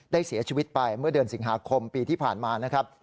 เสียชีวิตไปเมื่อเดือนสิงหาคมปีที่ผ่านมานะครับ